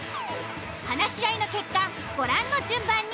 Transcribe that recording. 話し合いの結果ご覧の順番に。